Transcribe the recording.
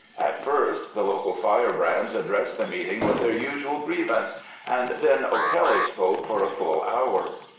At first the local firebrands addressed the meeting with their usual grievance, and then O'Kelly spoke for a full hour.